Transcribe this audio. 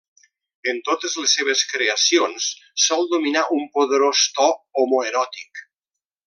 En totes les seves creacions sol dominar un poderós to homoeròtic.